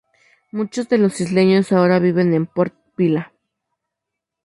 Muchos de los isleños ahora viven en Port Vila.